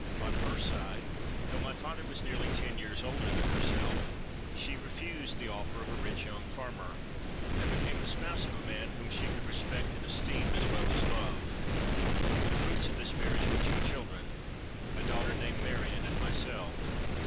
On her side, though my father was nearly ten years older than herself, she refused the offer of a rich young farmer, and became the spouse of a man whom she could respect and esteem as well as love. The fruits of this marriage were two children,—a daughter, named Marion, and myself.